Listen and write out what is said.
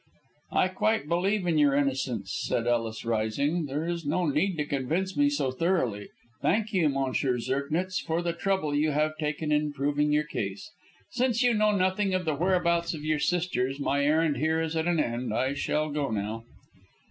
"I quite believe in your innocence," said Ellis, rising. "There is no need to convince me so thoroughly. Thank you, M. Zirknitz, for the trouble you have taken in proving your case. Since you know nothing of the whereabouts of your sisters, my errand here is at an end. I shall go now."